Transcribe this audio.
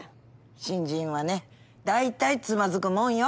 新人はね大体つまずくもんよ。